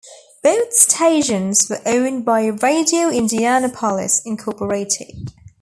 Both stations were owned by Radio Indianapolis, Incorporated.